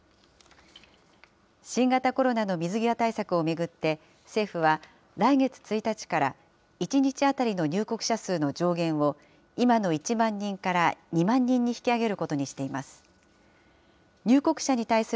新型コロナの水際対策を巡って、政府は来月１日から、１日当たりの入国者数の上限を、今の１万人から２万人に引き上げることにしています。